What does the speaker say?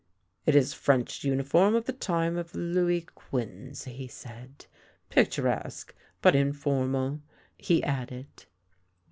" It is French uniform of the time of Louis Quinze," he said. " Picturesque, but informal," he added.